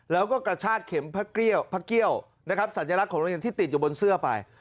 แล้วก็กระชากเข็มพระเกรี้ยวพระเกี้ยวนะครับสัญลักษณ์ของโรงเรียนที่ติดอยู่บนเสื้อไป